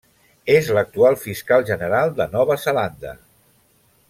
És l'actual Fiscal General de Nova Zelanda.